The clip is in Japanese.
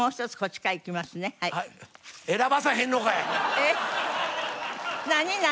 えっ。